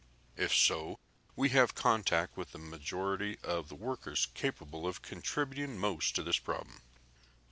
If so, we can have contact with the majority of the workers capable of contributing most to this problem."